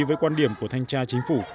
với quan điểm của thanh tra chính phủ